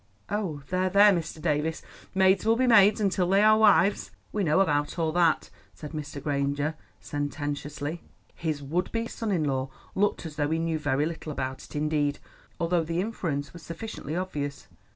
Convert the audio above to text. "Oh, there, there, Mr. Davies, maids will be maids until they are wives. We know about all that," said Mr. Granger sententiously. His would be son in law looked as though he knew very little about it indeed, although the inference was sufficiently obvious.